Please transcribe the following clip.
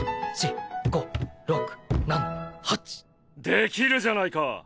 できるじゃないか。